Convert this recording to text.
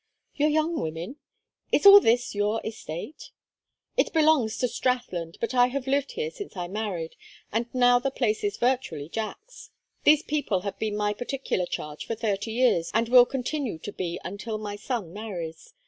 "Your young women? Is all this your estate?" "It belongs to Strathland, but I have lived here since I married, and now the place is virtually Jack's. These people have been my particular charge for thirty years and will continue to be until my son marries.